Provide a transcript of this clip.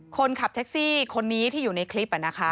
คนขับแท็กซี่คนนี้ที่อยู่ในคลิป